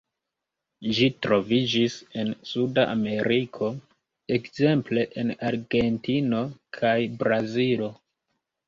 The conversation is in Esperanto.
Ĝi troviĝis en Suda Ameriko, ekzemple en Argentino kaj Brazilo.